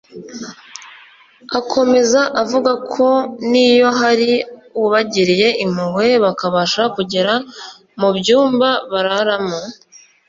Akomeza avuga ko n’iyo hari ubagiriye impuhwe bakabasha kugera mu byumba bararamo